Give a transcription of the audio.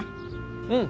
うん。